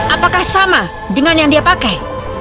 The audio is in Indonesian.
apakah sama dengan yang dia pakai